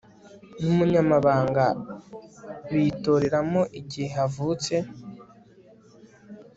n Umunyamabanga bitoreramo Igihe havutse